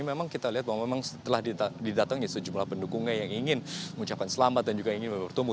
memang kita lihat bahwa memang telah didatangi sejumlah pendukungnya yang ingin mengucapkan selamat dan juga ingin bertumbuh